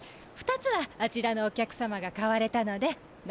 ２つはあちらのお客様が買われたのでのこり